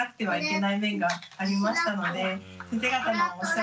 はい。